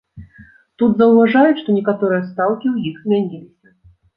Тут заўважаюць, што некаторыя стаўкі ў іх змяніліся.